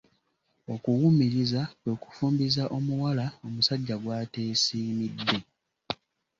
Okuwumiriza kwe kufumbiza omuwala omusajja gw’ateesimidde.